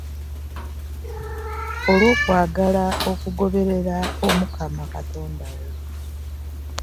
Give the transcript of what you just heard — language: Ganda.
Olwokwagala okugoberera mukama Katonda we .